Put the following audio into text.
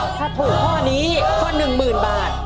ถ้าถูกข้อนี้ก็๑๐๐๐บาท